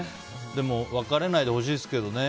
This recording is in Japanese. でも別れないでほしいですけどね。